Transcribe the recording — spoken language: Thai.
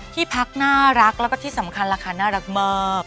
ที่พักน่ารักแล้วก็ที่สำคัญราคาน่ารักมาก